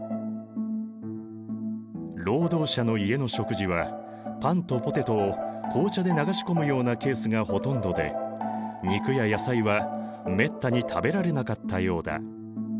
労働者の家の食事はパンとポテトを紅茶で流し込むようなケースがほとんどで肉や野菜はめったに食べられなかったようだ。